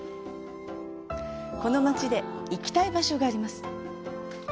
この町で行きたい場所があります。